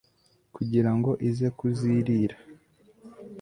kugira ngo ize kuzirira